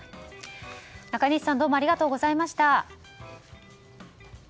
中西さんどうもありがとうございました。